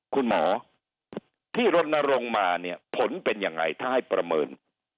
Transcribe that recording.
คุณหมอที่รณรงค์มาเนี่ยผลเป็นยังไงถ้าให้ประเมิน